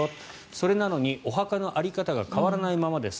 それなのにお墓の在り方は変わらないままです。